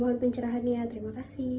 mohon pencerahan ya terima kasih